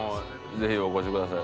ぜひお越しください。